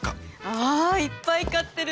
あいっぱい買ってる！